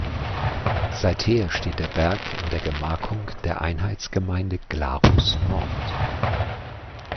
Seither steht der Berg in der Gemarkung der Einheitsgemeinde Glarus Nord.